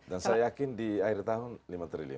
dan saya yakin di akhir tahun lima triliun